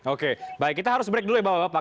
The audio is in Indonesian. oke baik kita harus break dulu ya bapak bapak